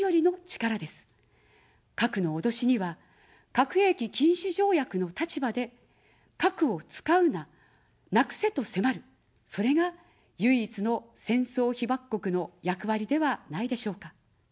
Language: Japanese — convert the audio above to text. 核の脅しには、核兵器禁止条約の立場で、核を使うな、なくせと迫る、それが唯一の戦争被爆国の役割ではないでしょうか。